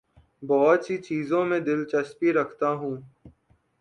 بہت سی چیزوں میں دلچسپی رکھتا ہوں